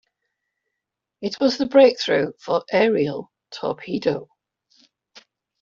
It was the breakthrough for aerial torpedo.